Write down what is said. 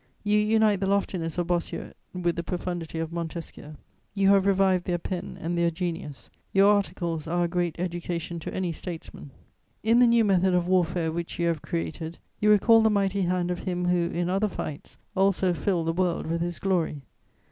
"You unite the loftiness of Bossuet with the profundity of Montesquieu: you have revived their pen and their genius. Your articles are a great education to any statesman. "In the new method of warfare which you have created, you recall the mighty hand of him who, in other fights, also filled the world with his glory.